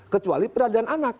kecuali peradaan anak